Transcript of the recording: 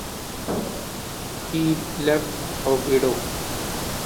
He left a widow.